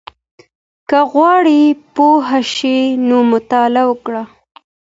که غواړې پوه شې نو مطالعه وکړه.